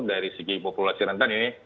dari segi populasi rentan ini